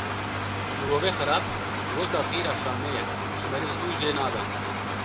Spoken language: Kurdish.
Mirovê xerab weka qîra Şamê ye ji meriv zû jê nabe